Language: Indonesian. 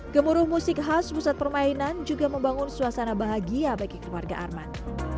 gemuruh musik khas pusat permainan juga membangun suasana bahagia bagi keluarga arman